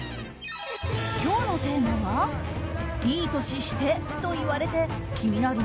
今日のテーマはいい年してと言われて気になる？